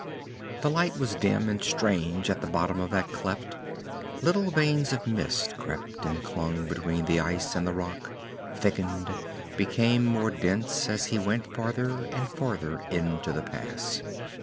The light was dim and strange at the bottom of that cleft. Little veils of mist crept and clung between the ice and the rock, thickened, became more dense as he went farther and farther into the pass.